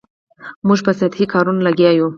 موږ په سطحي کارونو لګیا یو.